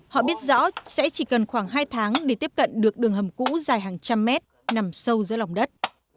họ biết rõ sẽ chỉ cần khoảng hai tháng để tiếp cận được đường hầm cũ dài hàng trăm mét nằm sâu giữa lòng đất